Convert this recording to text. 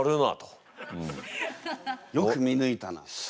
よく見ぬいたなと。